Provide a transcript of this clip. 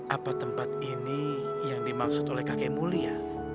apa tempat ini yang dimaksud oleh kakek mulia